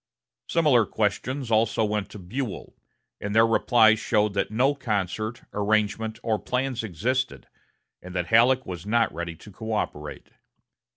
Similar questions also went to Buell, and their replies showed that no concert, arrangement, or plans existed, and that Halleck was not ready to coöperate.